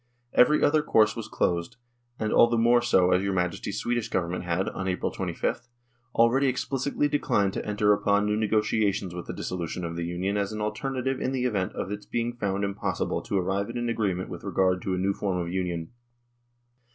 Every other course was closed, and all the more so as your Majesty's Swedish Government had, on April 25th, already explicitly declined to enter upon new negotiations with the dissolution of the Union as an alternative in the event of its being found impossible to arrive at an agreement with regard to a new form of Union.